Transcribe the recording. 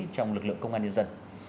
trong lực lượng công an nhân dân